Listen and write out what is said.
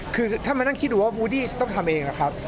คือถ้ามานั่งคิดดูว่าบูดี้ต้องทำเองนะครับ